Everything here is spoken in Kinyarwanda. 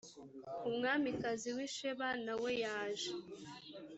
umwamikazi w i sheba na we yaje